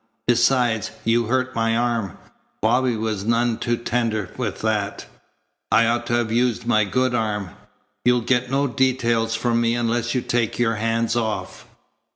Besides, you hurt my arm. Bobby was none too tender with that. I ought to have used my good arm. You'll get no details from me unless you take your hands off."